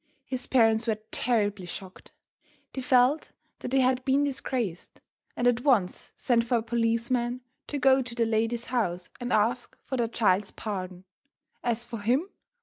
His parents were terribly shocked. They felt that they had been disgraced, and at once sent for a policeman to go to the lady's house and ask for their child's pardon. As for him!